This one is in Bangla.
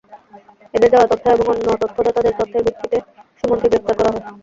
এঁদের দেওয়া তথ্য এবং অন্য তথ্যদাতাদের তথ্যের ভিত্তিতে সুমনকে গ্রেপ্তার করা হয়।